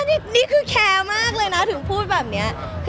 นี่คือแคร์มากเลยนะถึงพูดแบบนี้